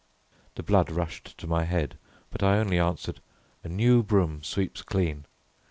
The blood rushed to my head, but I only answered, "A new broom sweeps clean."